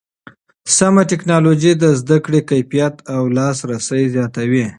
سمه ټکنالوژي د زده کړې کیفیت او لاسرسی زیاتوي.